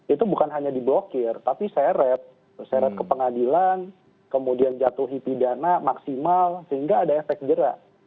itu bukan hanya di blokir tapi seret terseret ke pengadilan kemudian jatuhi pidana maksimal sehingga ada efek jerak